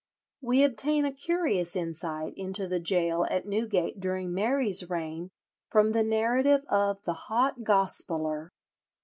We obtain a curious insight into the gaol at Newgate during Mary's reign from the narrative of the "Hot Gospeller."